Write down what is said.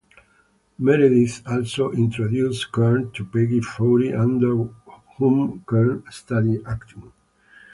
Meredith also introduced Kerns to Peggy Feury, under whom Kerns studied acting.